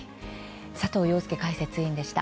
佐藤庸介解説委員でした。